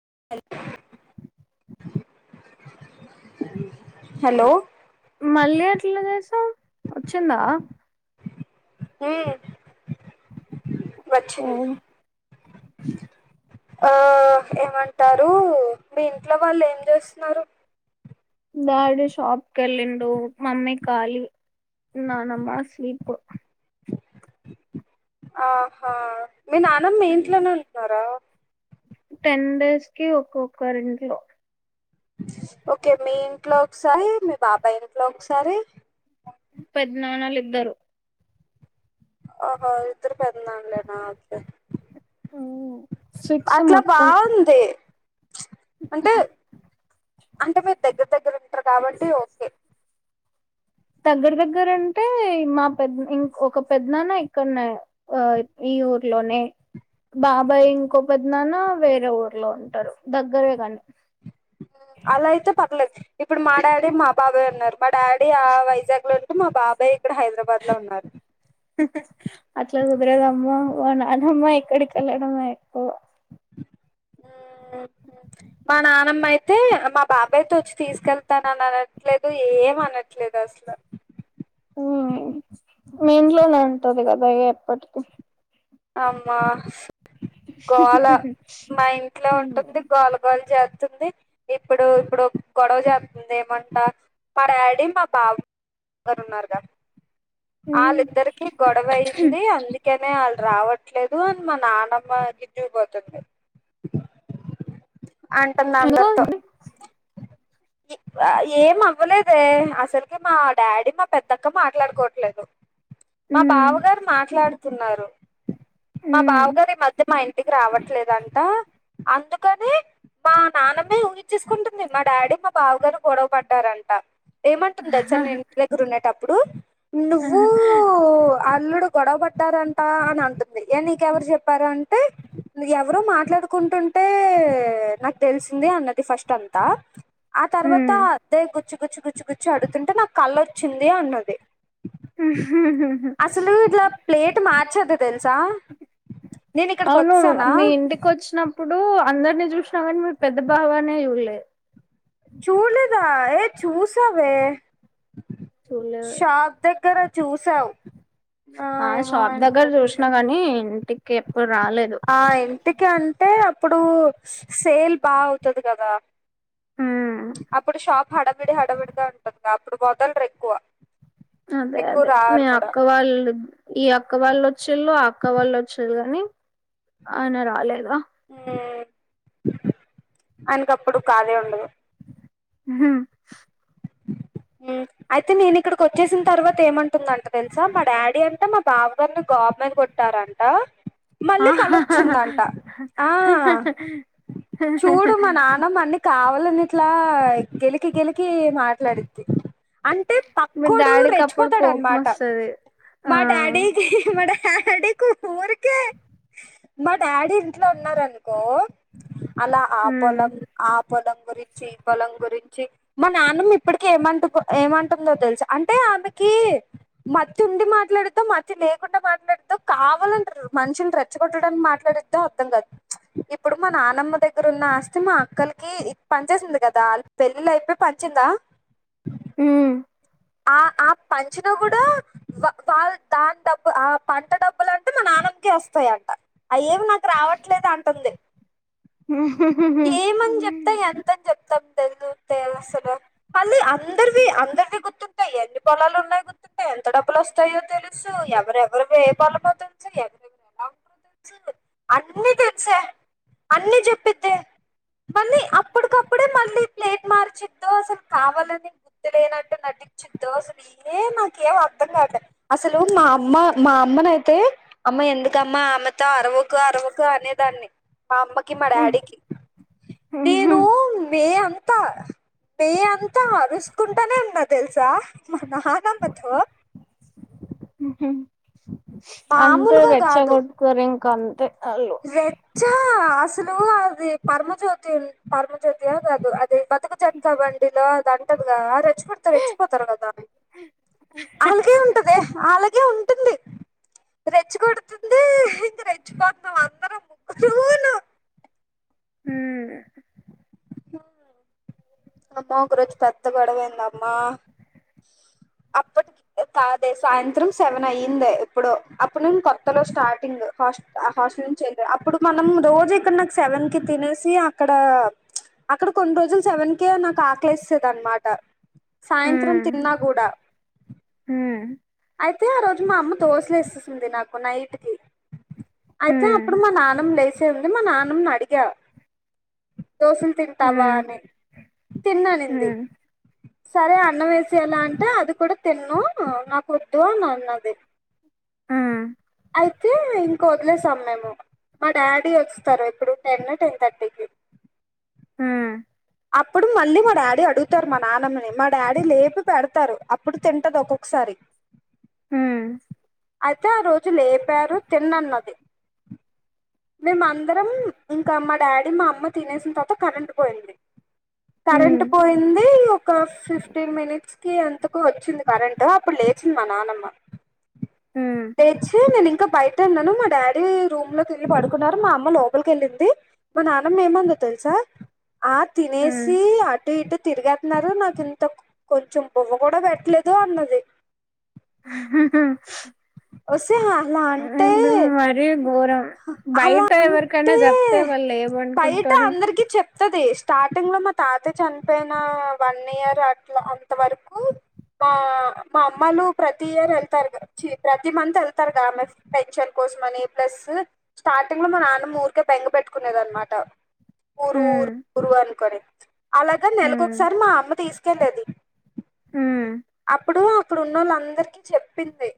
[unintelligible] Hello మళ్ళీ అట్ల చేసావు వచ్చిందా హ ఓ వచ్చింది ఆ ఏమంటారు మీ ఇంట్లో వాళ్ళు ఏం చేస్తున్నారు దాడి షాప్ క వెళ్ళిండు మమ్మీ ఖాలి నానమ్ మా స్లిప ఆహా మీ నానమ్మ ఇంట్లోనే ఉంటున్నారా టెన్ డేస్ కి ఒక్కొక్కరి ఇంట్లో ఓకే మీ ఇంట్లో ఒకసారి మీ బాబాయ ఇంట్లో ఒకసారి పెద్దనాన్నలు ఇద్దరు ఆహ ఇద్దరు పెద్ద లేనా కే సిక్స్ అట్లా మొత్తం బాగుంది అంటే అంటే మీరు దగ్గర దగ్గరుంటారు కాబట్టి ఓకే దగ్గర దగ్గర అంటే మా పెద్ద ఇం ఒక పెద్దనాన్న ఇక్కడన్నా ఈ ఊర్ లోనే బాబాయ్ ఇంకో పద్నానా వేరే ఊర్లో ఉంటారు దగ్గరే కాని అలా అయితే పర్లేదు ఇప్పుడు మా డాడీ మా బాబే ఉన్నారు మా డాడీ ఆ వైజాగ్ లో మా బాబాయ్ ఇక్కడ హైదరాబాద్ లో ఉన్నారు అట్లా కుదరేదమ్మా నానమ్మ ఎక్కడికి వెళ్ళడం ఎక్కువ ఉ మా నానమ్మ అయితే మా బాబాయ్తో వచ్చి తీసుకెళ్తాన అని అనట్లేదు ఏం అనట్లేదు అసలు ఉ మీంట్లోనే ఉంటది కదా ఎప్పటికి ఆమ గోళ మా ఇంట్లో ఉంటుంది గోళ గోలు చేస్తుంది ఇప్పుడు ఇప్పుడు గొడవ చేస్తుంది ఏమంటా పడాడు మా బాబు అరున్నారు కా వాళ్ళిద్దరికి గొడవ అయింది అందుకేనే వాళ్ళ రావట్లేదు అని మా నానమ్మకి చూ పోతుంది అంటుంది ఎందుకో అందరితో ఏం అవ్వలేదే అసలుకి మా డాడీ మా పెద్దక్క మాట్లాడుకోట్లేదు మా మ్మ్ బావగారు మాట్లాడుతున్నారు మా మ్మ్ బావగారు ఈ మధ్య మా ఇంటికి రావట్లేదంట అందుకనే మా నాన్నమే ఊహచ్చసుకుంటుంది మా డాడీ మా బావ గారు గొడవ పడ్డారంట ఏమంటుంది అచ్చన్ ఇంటి దగ్గర ఉండేటప్పుడు నువ్వు అల్లుడు గొడవ బట్ట చెంటారంటా అని అంటుంది ఏ నీకెవరు చెప్పార అంటే ఎవరు మాట్లాడుకుంటుంటే నాకు తెలిసింది అన్నది ఫస్ట్ అంతా ఆ తర్వాత మ్మ్ అద్దే గుచ్చు గుచ్చి గుచ్చు గుచ్చి అడుతుంటే నాకు కళ్ళొచ్చింది అన్నది అసలు ఇట్లా ప్లేట్ మార్చదు తెలుసా నేను ఇక్కడికి వచ్చానా ఇప్పుడు అందరినీ చూసినం కానీ మీ పెద్ద బావానే ళలే చూలేదా ఏ చూసవే చూడలేదు ాద దగ్గర చూసావు ఆ షాప్ దగ్గర ఏమండొచ్చు చూసినా కాని ఇంటికి ఎప్పుడు రాలేదు ఆ ఇంటికి అంటే అప్పుడు సేల్ బా అవుతుది కదా మ్మ్ అప్పుడు షాప్ హడవిడి హడవిడిగా ఉంటుంది అప్పుడు మొదలరు ఎక్కువ అదే ఎక్కువ అదే మీ రారు కూడా అక్క వాళ్ళు ఈ అక్క వాళ్ళు వచ్చేళ్ళు ఆ అక్క వాళ్ళు వచ్చేారు కాని ఆయన రాలేదా ఆయనకప్పుడు కాదే ఉండదు హ హ అయితే నేను ఇక్కడికి వచ్చేసిన తర్వాత ఏమంటుందంట తెలుసా మా డాడీ అంటే మా బావ గారిని గవర్నమెంట్ రారంట మళ్ళీ కలొచ్చిందంట చూడు మా నాన్నమ్మ అన్ని కావాలని ఇట్లా గెలికి గెలికి మాట్లాడిద్ది అంటే మీ పక్కోడు డాడీకి అప్పుడు కోపం రెచ్చిపోతాడనమాట వస్తది ఆ మా డాడీకి మ డాడ్ డాడీ కు వూర్కే మా డాడీ ఇంట్లో ఉన్నారనుకో అలా ఆ ఉమ్ పొలం ఆ పొలం గురించి ఈ పొలం గురించి మా నాన్నమ్మ ఇప్పుటికి కి ఏమంట ఏమంటుందో తెలుసు అంటే ఆమెకి మతి ఉండి మాట్లాడిదొ మత్తి లేక లేకుండా మాట్లాడద్దో కావాలని మనుషులని రెచ్చగొట్టడానికి మాట్లాడిద్దో అర్థం కాదు ఇప్పుడు మా నా నానమ్మ దగ్గర ఉన్న ఆస్తి మా అక్కలికి పనిచేసింది కదా వాళ్ పెళ్ళిళ అయిపోయి పంచిందా హ్మ్ ఆ ఆ పంచిన కూడా వా వాళ్ళ దాని డబ్బు ఆ పంట డబ్బులు అంటే మా నాన్న నాన్నమ్మ కే వస్తాయంట అయేవి నాకు రావట్లేదు అంటుంది హ ఏమని చెప్తా ఎంతని చెప్తాం తెలితే అసలు మళ్ళీ అ అందరివి అందరివి గుర్తుంటాయి ఎన్ని పొలాలు ఉన్నాయ గుర్తుంటాయి ఎంత డబ్బులు వస్తాయో తెలుసు ఎవరెవరివి ఏం పొలామో తెలుసు సు అన్నీ తెలుసే అన్ని చెప్పిద్దే మళ్ళీ అప్పటికప్పుడే మళ్ళీ ప్లేట్ మార్చిద్దో అసలు కావాలని గుర్తు లేనట్టు నటించి దో అసలు ఏం మాకేం అర్థం కావట్లే అసలు మా అమ్మ మా అమ్మనైతే అమ్మాయి ఎందుకమ్మా ఆమెతో అరవకు అరవకు అనేదాన్ని మా అమ్మకి మా డాడీకి ఏ అంత పే అంతా అరుసుకుంటానే ఉన్నా తెలుసా మా నానమ్మతో అంతె మామూలుగా కాదు రెచ్చగొట్కరి ఇంక ఆళ్ళు రెచ్చ అసలు అది పరమజ్యోతి పరమజ్యోతి అ కాదు అది అది బతుక చెట్కా బండిలో అదంటదిగా రెచ్చిపెడితే రెచ్చిపోతారు కదా అని అలాగే ఉంటదే అలాగే ఉన్ ంది రెచ్చి కొడుతుంది ఇంకా రెచ్చి పా మేమ్ అందరం ము చూలు హ్మ్ అమ్మ ఒక రోజు పెద్ద గొడవైంది అమ్మా అప్పటి కాదే సాయంత్రం సెవెన్ అయ్యిందే ఎప్పుడో అప్పుడు నేను కొత్తలో స్టార్టింగ్ హాస్టల్ నుంచి అప్పుడు మనం రోజు ఇక్కడ నాకు సెవెన్ కి తినేసి అక్కడ అక్కడ కొన్ని రోజులు సెవెన్ కే నాకు ఆకలేసేసేదన్నమాట సాయంత్రం ఉమ్ తిన్నా కూడా ఉమ్ అయితే ఆ రోజు మా అమ్మ దోసలే సేసింది నాకు నైట్ కి అయితే ఉమ్ అప్పుడు మా నాన్నమ్మ లేచే ఉంది మా నాన్నమ్ని అడిగా దోసులు తింటావా ఉమ్ అని తిన్ననింది ఉమ్ సరే అన్నం వేసేయలా అంటే అది కూడా తిన్ను నాకు వద్దు అని అన్నది ఉమ్ అయితే ఇంక వదిలేసాం మేము మా డాడీ వస్తారు ఎప్పుడు టెన్ టెన్ థర్టీకి హ్మ్ అప్పుడు మళ్ళీ మా డాడీ అడుగుతారు మా నాన్నమ్మని మా డాడీ లేపి పెడతారు అప్పుడు తింటది ఒక్కొక్కసారి హ్మ్ అయితే ఆ రోజు లేపారు తిన్నన్నది మేమందరం ఇంకా మా డాడీ మా అమ్మ తినేసిన తర్వాత కరెంటు పోయింది కరెంట్ ఉమ్ పోయింది ఒక ఫిఫ్టీన్ మినిట్స్ కి ఎంతకొ వచ్చింది కరెంట్ అప్పుడు లేచింది మా నానమ్మ ఉమ్ లేచి నేనింకా బయటె ఉన్నాను మా డాడీ రూమ్ లో తిళ్ళ పడుకున్నారు మా అమ్మ లోపలికి వెళ్ళింది మా నాన్నమ్మ ఏమనిందో తెలుసా ఆ తినేసి ఉమ్ అ టు ఇటు తిరిగేతున్నారు నాకు ఇంత కొంచెం బువ్వు కూడా పెట్టలేదు అన్నది వస్తే అలా అంటే ఎందు మరి గోరం అలా బయట ఎవరికైనా అంటే చెప్తే వాళ్ళు ఏమనుకుంటారు వస్తుది స్టార్టింగ్ లో మా తాత చనిపోయిన వన్ ఇయర్ అట్లా అంత వరకు మా మా అమ్మలు ప్రతి ఇయర్ వెళ్తారు ప్రతి మంత్ వెళ్తారు మె పెన్షన్ కో కోసమనీ ప్లస్ స్టార్టింగ్ లో మా నాన్న ఊరికే బెంగ పెట్టుకునేద అనమాట ఊరు ఉమ్ ఊరు అనుకోని అలాగని ఉమ్, నెలకోకసారి మా అమ్మ తీసుకెళ్ళేది ఉమ్ అప్పుడు అక్కడున్నళ్ళ అందరికీ చెప్పింది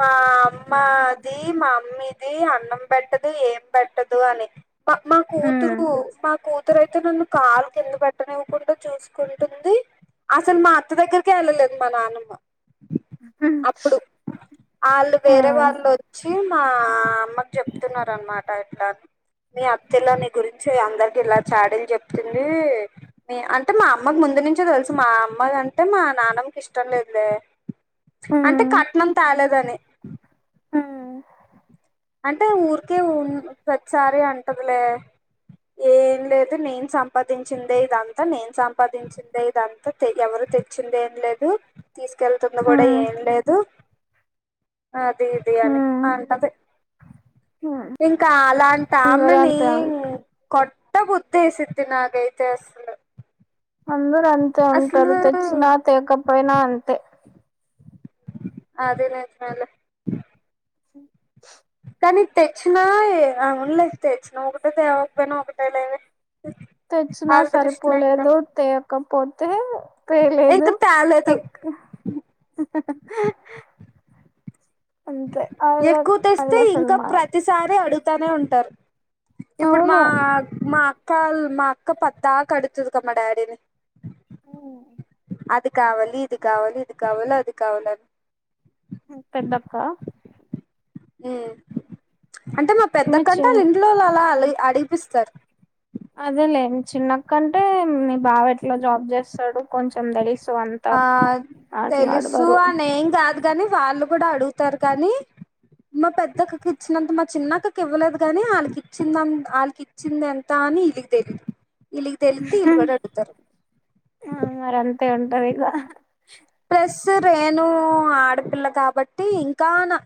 మా అమ్మది మా మమ్మీ ది అన్నం పెట్టదు ఏం పెట్టదు అని మా మా కూతురు ఉమ్, మా కూతురుయితేన్న ను కాలు కింద పేట్టనివ్వకుంట చూసుంటుంది అసలు మా అ దగ్గర కెళ్ళలేద్ మా నానమ్మ ఉమ్ ఆళ్ళు ఆ, వేరే వాల్లోచ్చి మా అమ్మకు చెప్తున్నారు అనమాట టైట మీ అత్తెల మీ గురించి అందరికి ఇలా చాడిలు చెప్తుంది మీ అంటే మా అమ్మకు ముందు ముందు నుంచో తెలుసు మా అమ్మా కంటే మా మా నానమకి ఇష్టం లేదులే అంటే ఉమ్, కట్నం తాలేదని ఉమ్ అంటే ఊరికే ఉం ప్రతిసారి అంటదిలే ఏం లేదు నేను సంపాదించిందే ఇదంతా నేను సంపాదించిందే ఇదంతా ఎవరు తెచ్చింది ఏం లేదు తీసుకెళ్తుంది కూడా ఉమ్, ఏం లేదు అది ఇది అని ఉమ్, అంటది ఉమ్. ఇంకా అందరూ అలాంటమ్మెని అంతే ఉ కొట్ ట్టబుద్దేసిది నాగైతే అసలు అందర అంతే అసలు ఉంటారు తెచ్చినా తేకపోయినా అంతే అదేలే చాలా తెచ్చినా అవున్లే తెచ్చినా ఒకటే తెవకపోయినా ఒకటే లేవ తెచ్చినా సరిపోలేదు తయకపోతే తేలేదు ఇంకా తేలేదు ఎక్ అంతే అల్ల ఎక్కువ అల్ల తెస్తే అసలు ఇంకా మారు ప్రతిసారి అడుగుతూనే ఉంటారు ఇప్పుడు మా అవును మా అక్కల్ మా అక్క పద్దాగా కడుతది క మ డాడీని ఉమ్ అది కావాలి ఇది కావాలి ఇది కావాలి అది కావాలి ఆన్ మీ పెద్దక్క ఉమ్ అంటే మా పెద్ద మీ కంటై చెన్ వాళ్ళ ఇంట్లో వాళ్ళు అలా అ అడిపిస్తారు అదేలే చిన్నక్కంటే మీ బావ ఎట్లా జాబ్ చేస్తాడు కొంచెం తెలిస్త ఆ తెలుసు అనే ఏం కాదు కాని వాళ్ళు కూడా అడుగుతారు కానీ మా పెద్దక్కకి ఇచ్చినంత మా చిన్నక్కకి ఇవ్వలేదు కాగాని వాళ్ళకి ఇచ్చిందంత వాళ్ళకి ఇచ్చింది ఎంత అని ఇళ్ళకు తెలిదు ఇలికి తెలితే ఇల్లుకుడ అడుగుతారు తే ఉంటదిగా సరే నవు ఆడపిల్ల కాబట్టి ఇంకా నా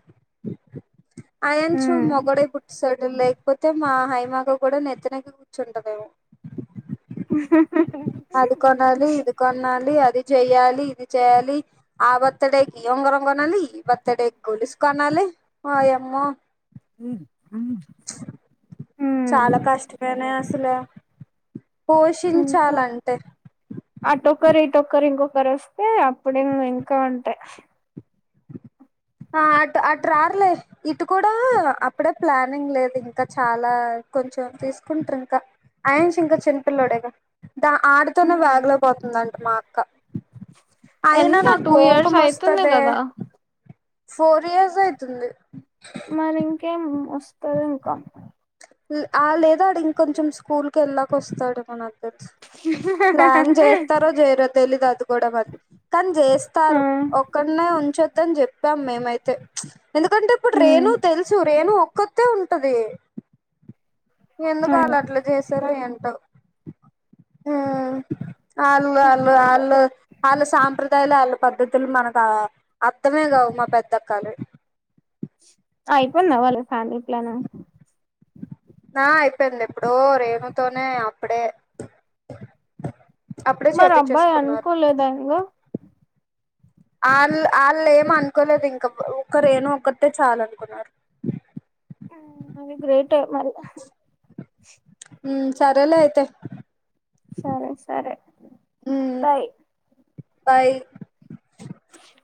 అయంచూ ఉమ్ మొగడి పుట్టుసాడు లేకపోతే మా హైమాగ కూడా నెత్తనకి కూర్చుంటదేమో అది కొనాలి ఇది కొనాలి అది చెయ్యాలి ఇది చెయాలి ఆ బర్త్ డేకి ఈ ఉంగరం గొనాలి ఈ బర్త్ డే గొలుస్ కొనాలి ఆయమ్మొ మ్ మ్ చాలా కష్టమేనె అసలే పోషించాలంటే కరు ఇటొక్కరు ఇంకొకర్ ఒస్తే అప్పుడే ఇంకా ఉంటాయి ఆ అటు అట్ రార్లే ఇటు కూడా అప్పుడే ప్లానింగ్ లేదు ఇంకా చాలా కొంచెం తీసుకుంట్ర్ ఇంకా అయాన్ష్ ఇంకా చిన్నపిల్లోడే గ దా ఆడతోనే వ్యాగలే పోతుందంట మా అక్క అయినా ఎంత నా టూ ఇయర్స్ కోపం అయితుంది ఒస్తదే కదా ఫోర్ ఇయర్స్ అయితుంది మరి ఇంకేం ఒస్తరింకా ఆ లేదాడికొంచెం స్కూల్ కెళ్ళక ఒస్తాడు మన ప్లాన్ చేస్తారో చేయిరో తెలీదు అది గోడ మది కాన్ ఆ జేస్తారు ఒక్కడ్నే ఉంచ దన్ జెప్పాం మేమైతే ఎందుకంటే ఇప్పుడు ఉమ్ రేణు తెలుసు రేణు కొతే ఉంటది ఎందుకాల్ అట్ల జేసారో ఏంటో అల్ అల్ అవును అల్లు అల్ల సాంప్ర యాలు ఆళ్ళ పద్ధతులు మనక్ అర్థమే గావు మా పెద్దక్కా అయిపోయిందా వాళ్ళది ఫ్యామిలీ ప్లాన్ ఆ అయిపోయింది ఎప్పుడో రేణుతోనే అప్పుడే అప్పుడే మరి అబ్బాయి చేపిచ్చేస్కున్నారు అనుకోలేదా ఇంగ ఆళ్ళు ఆళ్ళు ఏమ అనుకోలేదు ఇంక ఒక్క రేనూ ఒక్కతే చాల్ అనుకున్నారు గ్రేటే మరి ఉం సరేలే అయితే సరే సరే బై బై ష